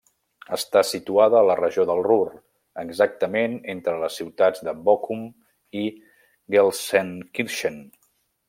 Està situada a la regió del Ruhr, exactament entre les ciutats de Bochum i Gelsenkirchen.